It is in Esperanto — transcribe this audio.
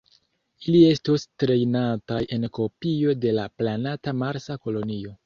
Ili estos trejnataj en kopio de la planata Marsa kolonio.